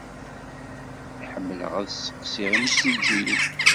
Ḥemmleɣ ad sseqsiɣ imsujjiyen.